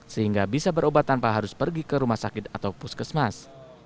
sehingga bisa berobat tanpa harus pergi ke rumah sakit atau puskesmas